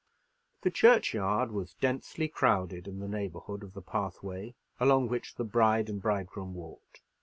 The churchyard was densely crowded in the neighbourhood of the pathway along which the bride and bridegroom walked.